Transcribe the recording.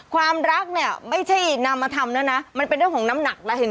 ความรักเนี่ยไม่ใช่นามธรรมนะนะมันเป็นเรื่องของน้ำหนักอะไรเนี่ย